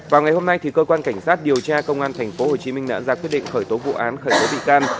vào ngày hôm nay cơ quan cảnh sát điều tra công an tp hồ chí minh đã ra quyết định khởi tố vụ án khởi tố bị can